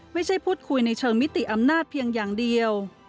พูดคุยในเชิงมิติอำนาจเพียงอย่างเดียว